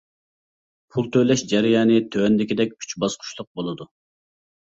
پۇل تۆلەش جەريانى تۆۋەندىكىدەك ئۈچ باسقۇچلۇق بولىدۇ.